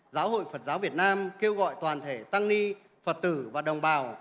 giáo hội phật giáo việt nam kêu gọi toàn thể tăng ni phật tử và đồng bào